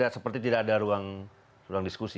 seperti tidak ada ruang diskusi